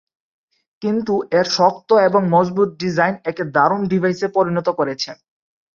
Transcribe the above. কিন্তু এর শক্ত এবং মজবুত ডিজাইন একে দারুণ ডিভাইসে পরিনত করেছে।